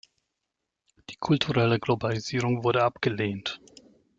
Die kulturelle Globalisierung wurde abgelehnt.